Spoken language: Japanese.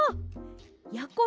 やころも